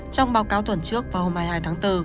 trong báo cáo tuần trước và hôm hai mươi hai tháng bốn